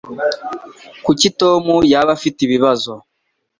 Kuki Tom yaba afite ibibazo